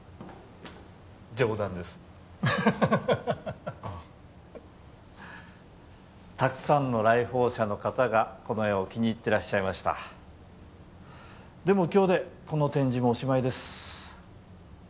冗談ですあたくさんの来訪者の方がこの絵を気に入ってらっしゃいましたでも今日でこの展示もおしまいです